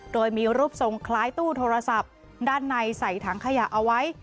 โดยมีรูปทรงคล้ายตู้โทรศัพท์ด้านในใส่ถังขยะเอาไว้